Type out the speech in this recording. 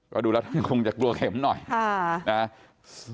ก็ดูแล้วท่านคงจะกลัวเข็มหน่อย